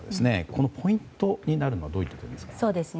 このポイントになるのはどういったところでしょう。